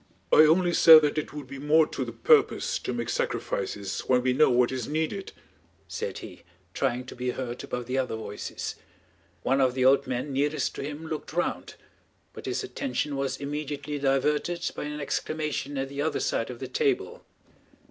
"I only said that it would be more to the purpose to make sacrifices when we know what is needed!" said he, trying to be heard above the other voices. One of the old men nearest to him looked round, but his attention was immediately diverted by an exclamation at the other side of the table.